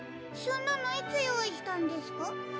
そんなのいつよういしたんですか？